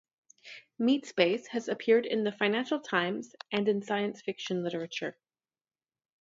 "Meatspace" has appeared in the "Financial Times" and in science fiction literature.